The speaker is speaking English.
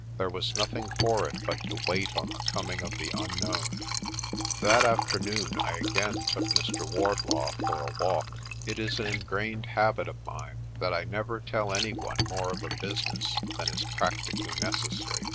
There was nothing for it but to wait on the coming of the unknown. THE DRUMS BEAT AT SUNSET 87 That afternoon I again took Mr. Wardlaw for a walk. It is an ingrained habit of mine that I never tell any one more of a business than is practically necessary.